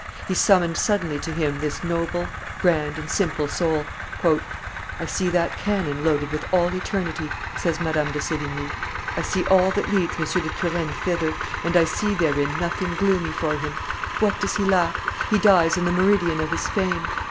He summoned suddenly to Him this noble, grand, and simple soul. "I see that cannon loaded with all eternity," says Madame de Sevigne: "I see all that leads M. de Turenne thither, and I see therein nothing gloomy for him. What does he lack? He dies in the meridian of his fame.